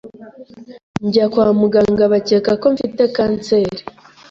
njya kwa muganga bakeka ko mfite kanseri